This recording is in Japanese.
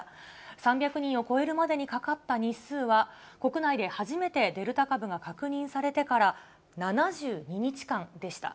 ３００人を超えるまでにかかった日数は、国内で初めてデルタ株が確認されてから７２日間でした。